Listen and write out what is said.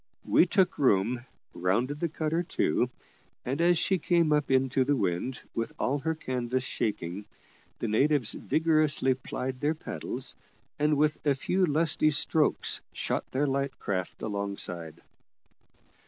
We took room, and rounded the cutter to, and as she came up into the wind, with all her canvas shaking, the natives vigorously plied their paddles, and with a few lusty strokes shot their light craft alongside.